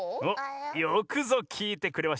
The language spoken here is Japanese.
およくぞきいてくれました！